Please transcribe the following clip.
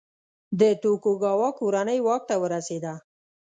د توکوګاوا کورنۍ واک ته ورسېده.